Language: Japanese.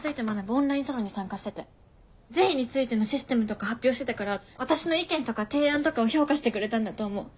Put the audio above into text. オンラインサロンに参加してて善意についてのシステムとか発表してたから私の意見とか提案とかを評価してくれたんだと思う。